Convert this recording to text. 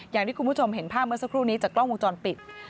อย่างที่คุณผู้ชมเห็นภาพเมื่อสักครู่นี้จากกล้องวงจรปิด